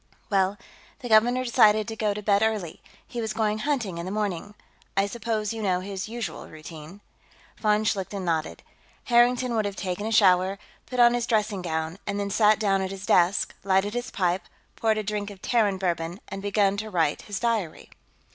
"Well, the governor decided to go to bed early; he was going hunting in the morning. I suppose you know his usual routine?" Von Schlichten nodded. Harrington would have taken a shower, put on his dressing gown, and then sat down at his desk, lighted his pipe, poured a drink of Terran bourbon, and begun to write his diary.